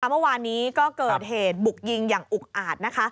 เมื่อวานนี้ก็เกิดเหตุบุกยิงอย่างอุกอาดนะคะ